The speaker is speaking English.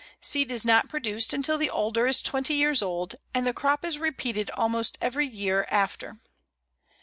Seed is not produced until the Alder is twenty years old, and the crop is repeated almost every year after.